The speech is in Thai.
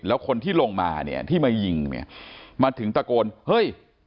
แล้วคนที่ลงมาที่มายิงมาถึงตะโกนเฮ้ย